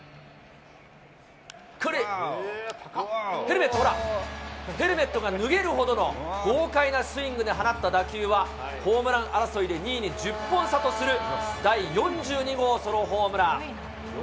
これ、ヘルメット、ほら、ヘルメットが脱げるほどの豪快なスイングで放った打球は、ホームラン争いで２位に１０本差とする第４２号ソロホームラン。